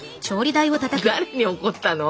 誰に怒ったの？